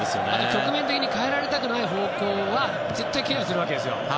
局面的に変えられたくない方向は絶対にケアするわけですよ。